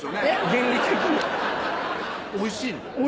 原理的にはおいしいの？